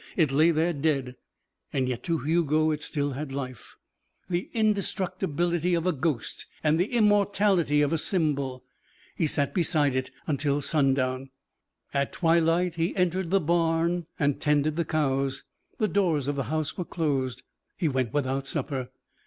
It lay there dead, and yet to Hugo it still had life: the indestructibility of a ghost and the immortality of a symbol. He sat beside it until sundown. At twilight he entered the barn and tended the cows. The doors of the house were closed. He went without supper.